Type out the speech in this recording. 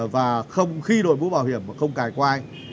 và khi đội mũ bảo hiểm không cải quai